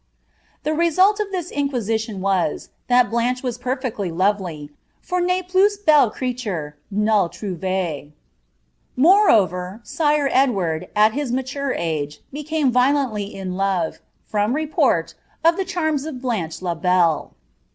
The result of this inquisition was, that Blanche was perfeclly lovdf, for tif plua bel erealuTt rati Irouve, Moreover, sire Edward, at his n» ture age, became violently in love (from report) of the charms of Blaadu 1> Belle.